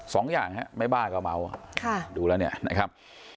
สองอย่างไม่บ้าก็เมาดูแล้วนะครับ